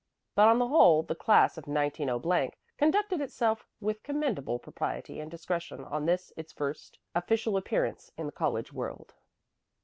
But on the whole the class of 190 conducted itself with commendable propriety and discretion on this its first official appearance in the college world.